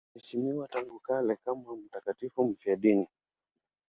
Anaheshimiwa tangu kale kama mtakatifu mfiadini.